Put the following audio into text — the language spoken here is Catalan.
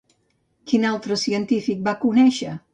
Quin altre científic va conèixer?